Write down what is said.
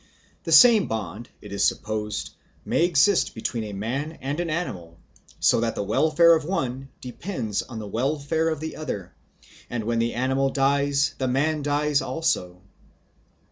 The same bond, it is supposed, may exist between a man and an animal, so that the welfare of the one depends on the welfare of the other, and when the animal dies the man dies also.